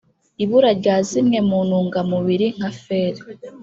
ibura rya zimwe mu ntungamubiri (nka fer